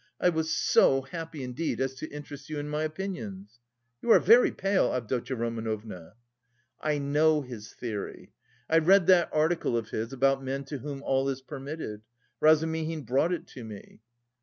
I was so happy indeed as to interest you in my opinions.... You are very pale, Avdotya Romanovna." "I know his theory. I read that article of his about men to whom all is permitted. Razumihin brought it to me."